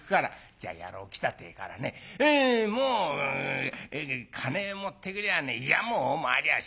じゃあ野郎来たっていうからねもう金持ってくりゃあねいやもうまわりゃあしないよ。